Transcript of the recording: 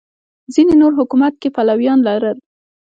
ځینې نور حکومت کې پلویان لرل